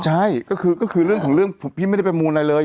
ใช่ก็คือเรื่องของเรื่องพี่ไม่ได้ประมูลอะไรเลย